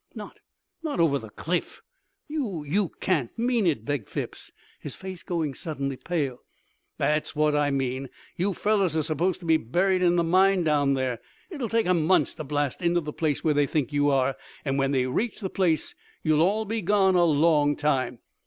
"Not not over the cliff you you can't mean it?" begged Phipps, his face going suddenly pale. "That's what I mean. You fellows are supposed to be buried in the mine down there. It'll take 'em months to blast into the place where they think you are, and when they reach the place you all will be gone a long time."